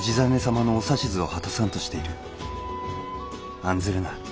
案ずるな。